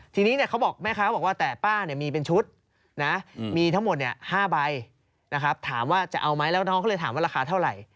ทีนี้เขาบอกแม่ค้าเขาบอกว่าแต่ป้ามีเป็นชุดนะมีทั้งหมด๕ใบนะครับถามว่าจะเอาไหมแล้วน้องเขาเลยถามว่าราคาเท่าไหร่